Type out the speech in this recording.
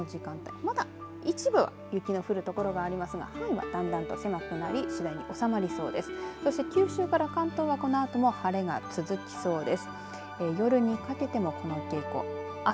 まだ一部は雪の降る所ありますが範囲はだんだんと狭くなり次第に収まりそうです。